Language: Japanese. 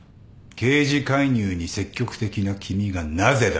刑事介入に積極的な君がなぜだ。